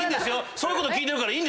そういうこと聞いてるからいい。